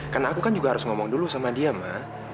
karena aku kan juga harus ngomong dulu sama dia ma